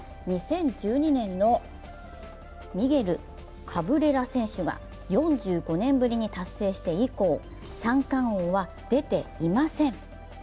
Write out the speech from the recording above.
２０１２年のミゲル・カブレラ選手が４５年ぶりに達成して以降、三冠王は出ていません。